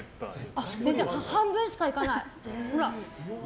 全然、半分しかいかない。